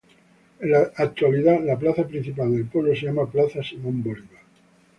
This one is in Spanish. En la actualidad la plaza principal del pueblo se llama "Plaza Simón Bolívar".